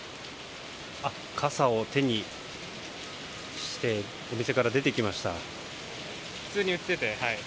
傘を手にしてお店から出てきました。